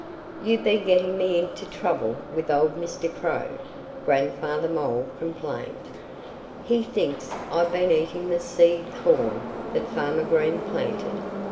"You've been getting me into trouble with old Mr. Crow," Grandfather Mole complained. "He thinks I've been eating the seed corn that Farmer Green planted.